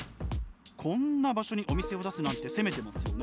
こんな場所にお店を出すなんて攻めてますよね！